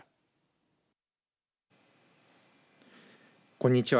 こんにちは。